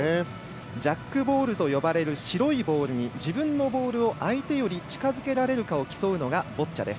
ジャックボールと呼ばれる白いボールに自分のボールを相手より近づけることができるかというのがボッチャです。